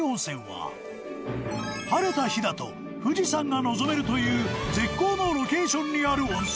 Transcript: ［晴れた日だと富士山が望めるという絶好のロケーションにある温泉］